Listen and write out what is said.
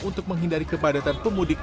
untuk menghindari kebadatan pemudik